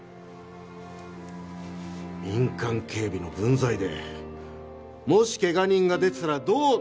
民間警備の分際でもし怪我人が出てたらどう。